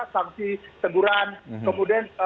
saksi teguran kemudian